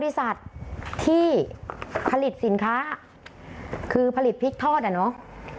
บริษัทที่ผลิตสินค้าคือผลิตพริกทอดอ่ะเนาะ